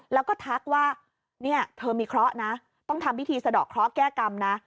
แล้วก็ทักว่าเนี่ยเธอมีเคราะห์นะต้องทำพิธีสะดอกเคราะห์แก้กรรมนะ